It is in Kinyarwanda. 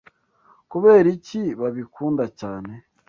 Kubera iki babikunda cyane